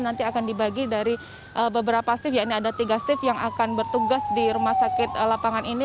nanti akan dibagi dari beberapa shift ya ini ada tiga shift yang akan bertugas di rumah sakit lapangan ini